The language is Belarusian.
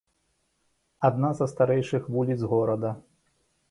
Адна са старэйшых вуліц горада.